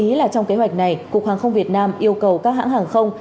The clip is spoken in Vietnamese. vì trong kế hoạch này cục hàng không việt nam yêu cầu các hãng hàng không